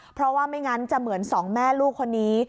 เพราะว่าไม่งั้นจะเหมือนสองแม่ลูกคนนี้